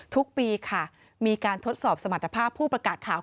ทุกปีค่ะมีการทดสอบสมรรถภาพผู้ประกาศข่าว